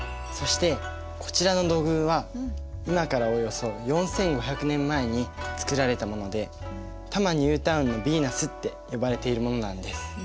そしてこちらの土偶は今からおよそ４，５００年前に作られたもので多摩ニュータウンのヴィーナスって呼ばれているものなんです。